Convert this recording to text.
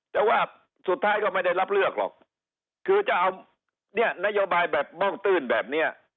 แต่ว่าสุดท้ายก็ไม่ได้รับเลือกหรอกคือจะเอาเนี่ยนโยบายแบบโม่งตื้นแบบนี้